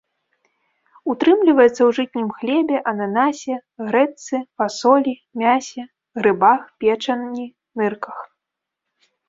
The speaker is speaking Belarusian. Утрымліваецца ў жытнім хлебе, ананасе, грэчцы, фасолі, мясе, грыбах, печані, нырках.